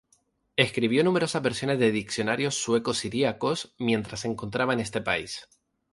Escribió numerosas versiones de diccionarios sueco-siríaco mientras se encontraba en este país.